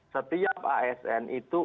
setiap asn itu